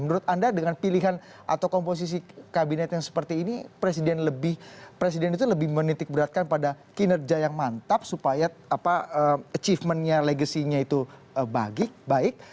menurut anda dengan pilihan atau komposisi kabinet yang seperti ini presiden itu lebih menitik beratkan pada kinerja yang mantap supaya achievement nya legacy nya itu baik